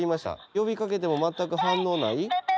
呼びかけても全く反応ない？